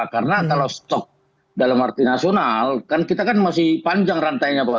karena kalau stok dalam arti nasional kan kita kan masih panjang rantainya pak